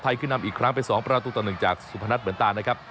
ไทยคืนนำอีกครั้งไป๒ประตูตอนหนึ่งจากสุพนัทเหมือนตานะครับ